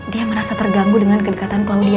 dia merasa terganggu dengan kedekatan clandia